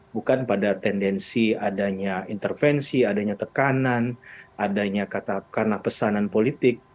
bukan pada tendensi adanya intervensi adanya tekanan adanya katakanlah pesanan politik